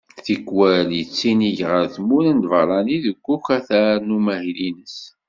Tikkwal yettinig ɣer tmura n lbarrani deg ukatar n umahil-ines.